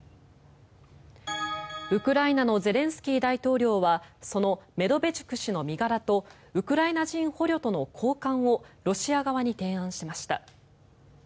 ウクライナのゼレンスキー大統領はそのメドベチュク氏の身柄とウクライナ人捕虜との交換をロシア側に提案しました。